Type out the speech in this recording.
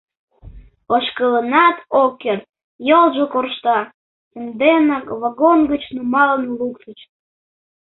Ошкылынат ок керт, йолжо коршта, санденак вагон гыч нумалын луктыч.